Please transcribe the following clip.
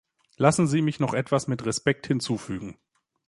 Lassen Sie mich noch etwas mit Respekt hinzufügen.